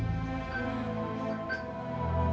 dia sudah berakhir